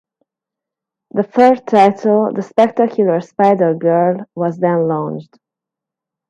A third title, "The Spectacular Spider-Girl", was then launched.